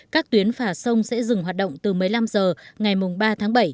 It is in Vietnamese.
các tuyến phà sông sẽ dừng hoạt động từ một mươi năm h ngày ba tháng bảy